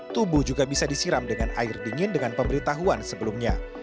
tubuh juga bisa disiram dengan air dingin dengan pemberitahuan sebelumnya